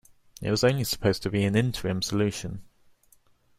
It was only supposed to be an interim solution.